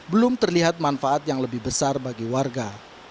belum terlihat manfaat yang lebih besar bagi warga